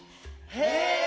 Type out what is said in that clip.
へえ！